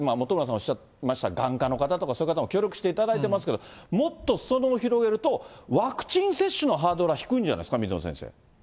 おっしゃいました、眼科の方とか、そういう方も協力していただいてますけど、もっとすそ野を広げると、ワクチン接種のハードルは低いんじゃないですか、水野先生。